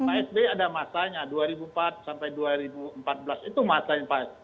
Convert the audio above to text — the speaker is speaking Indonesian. masalahnya pak sd ada masalahnya dua ribu empat sampai dua ribu empat belas itu masalahnya pak sd